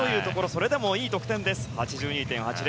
それでもいい得点、８２．８０。